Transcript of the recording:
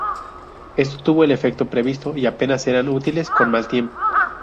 Esto tuvo el efecto previsto, y apenas eran útiles con mal tiempo.